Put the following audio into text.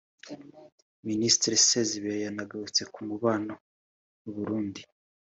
Minisitiri Sezibera yanagarutse ku mubano n’u Burundi